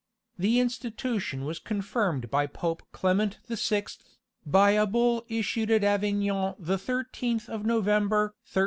The institution was confirmed by Pope Clement the Sixth, by a bull issued at Avignon the 13th of November 1351.